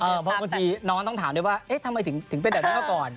เพราะบางทีน้องต้องถามด้วยว่าเอ๊ะทำไมถึงเป็นแบบนั้นมาก่อน